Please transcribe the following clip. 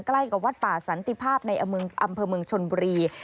ใกล้กับวัดป่าสันติภาพในอำเภอเมืองชนบุรี